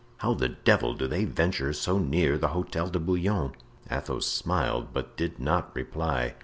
"How the devil do they venture so near the Hotel de Bouillon?" Athos smiled, but did not reply.